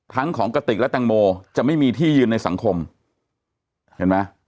ทั้งของกระติกและแตงโมจะไม่มีที่ยืนในสังคมเห็นไหม